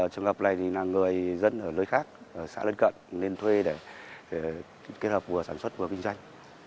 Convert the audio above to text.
trường hợp này là người dân ở nơi khác xã lân cận nên thuê để kết hợp vừa sản xuất vừa vinh danh